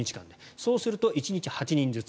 そうすると１日８人ずつ。